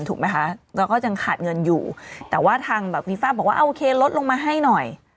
ถูกไหมคะเราก็ยังขาดเงินอยู่แต่ว่าทางแบบฟีฟ้าบอกว่าโอเคลดลงมาให้หน่อย